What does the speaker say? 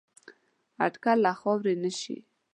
اټکل له خاورو نه شي